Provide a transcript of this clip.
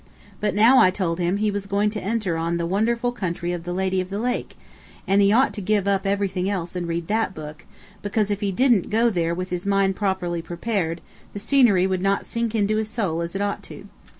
But now I told him he was going to enter on the wonderful country of the "Lady of the Lake," and that he ought to give up everything else and read that book, because if he didn't go there with his mind prepared the scenery would not sink into his soul as it ought to.